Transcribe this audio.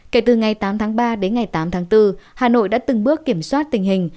kể từ ngày tám tháng ba đến ngày tám tháng bốn hà nội đã từng bước kiểm soát tình hình